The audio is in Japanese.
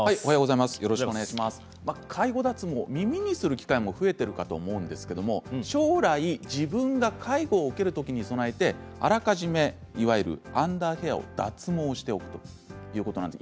介護脱毛、耳にする機会も増えていると思いますが将来、自分が介護を受けるときに備えてあらかじめ、いわゆるアンダーヘアを脱毛しておくことなんです。